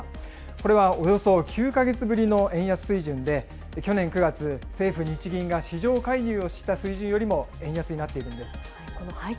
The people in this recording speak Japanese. これはおよそ９か月ぶりの円安水準で、去年９月、政府・日銀が市場介入をした水準よりも円安になっているんです。